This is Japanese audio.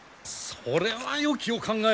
それはよきお考え。